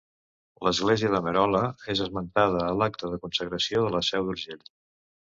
L'Església de Merola és esmentada a l'Acta de Consagració de la Seu d'Urgell.